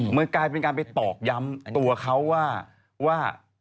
มันกลายเป็นการไปตอกย้ำตัวเขาว่า